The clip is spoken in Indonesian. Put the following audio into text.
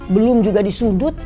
belum juga disudut